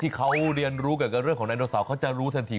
ที่เขาเรียนรู้กับเรื่องของนับที่เขาจะรู้ทันที